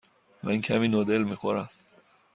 من کمی نودل می خورم.